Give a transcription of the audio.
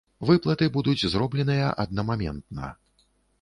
Выплаты будуць зробленыя аднамаментна.